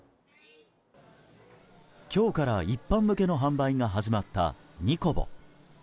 今日から一般向けの販売が始まったＮＩＣＯＢＯ。